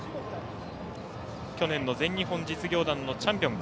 去年の全日本実業団のチャンピオン。